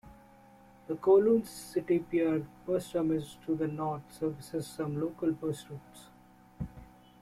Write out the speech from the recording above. The Kowloon City Pier Bus Terminus to the north services some local bus routes.